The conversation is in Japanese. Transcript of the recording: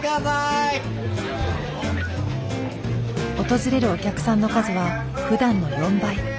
訪れるお客さんの数はふだんの４倍。